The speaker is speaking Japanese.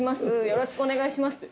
よろしくお願いします」って。